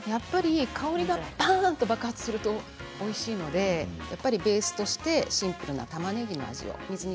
香りがパンと爆発するとおいしいのでベースとしてシンプルなたまねぎの味を。